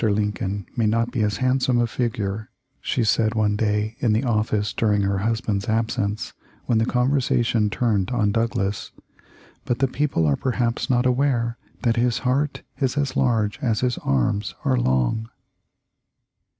Lincoln may not be as handsome a figure," she said one day in the office during her husband's absence, when the conversation turned on Douglas, "but the people are perhaps not aware that his heart is as large as his arms are long."